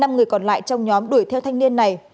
năm người còn lại trong nhóm đuổi theo thanh niên này